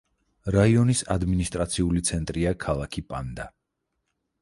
რაიონის ადმინისტრაციული ცენტრია ქალაქი პანდა.